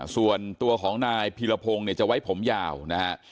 ส่วนตัวของนายพีรพงศ์เนี่ยจะไว้ผมยาวนะฮะ